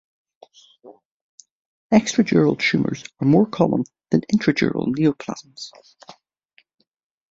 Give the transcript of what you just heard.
Extradural tumors are more common than intradural neoplasms.